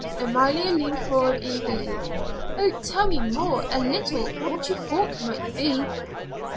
Amalia leaned forward eagerly. "Oh, tell me more a little, what you thought might be."